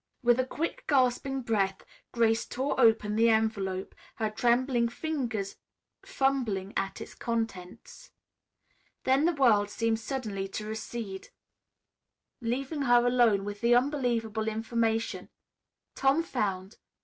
With a quick gasping breath Grace tore open the envelope, her trembling fingers fumbling at its contents. Then the world seemed suddenly to recede, leaving her alone with the unbelievable information: "Tom found.